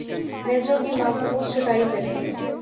لہجوں کی معکوس چھٹائی کریں